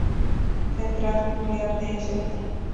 Central nuclear de St.